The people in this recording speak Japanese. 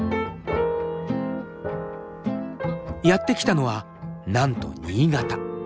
やって来たのはなんと新潟。